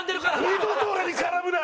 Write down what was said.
二度と俺に絡むな！